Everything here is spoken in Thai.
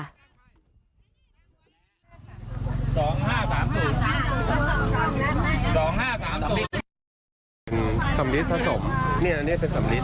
สองห้าสามศูนย์สองห้าสามศูนย์สำริสผสมเนี่ยอันเนี้ยเป็นสำริส